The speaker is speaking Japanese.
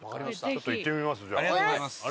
ちょっと行ってみますじゃあ。